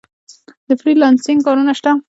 د فری لانسینګ کارونه شته؟